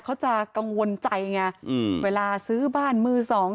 เขาจะกังวลใจไงอืมเวลาซื้อบ้านมือสอง